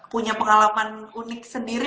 punya pengalaman unik sendiri